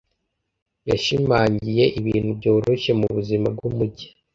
Yashimangiye ibintu byoroshye mubuzima bwumujyi.